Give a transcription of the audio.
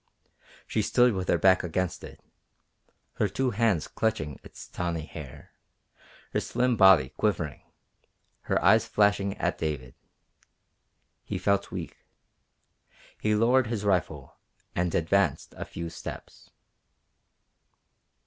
She stood with her back against it, her two hands clutching its tawny hair, her slim body quivering, her eyes flashing at David. He felt weak. He lowered his rifle and advanced a few steps.